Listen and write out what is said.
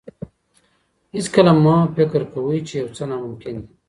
هیڅکله مه فکر کوئ چې یو څه ناممکن دي.